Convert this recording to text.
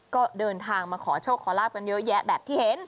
ก็เดินทางมาขอโชคขอลาบกันเยอะแยะแบบที่เห็น